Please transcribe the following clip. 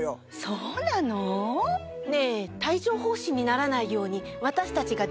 そうなの？ねぇ。